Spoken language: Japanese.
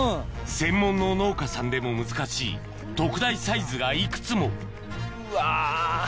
専門の農家さんでも難しい特大サイズがいくつもうわ。